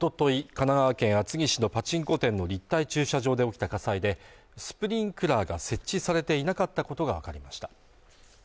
神奈川県厚木市のパチンコ店の立体駐車場で起きた火災でスプリンクラーが設置されていなかったことが分かりました